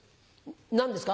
何ですか？